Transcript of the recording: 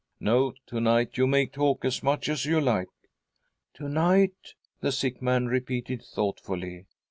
■ "No, to night you may talk, as much as you like." " To night !" the sick man repeated thoughtfully.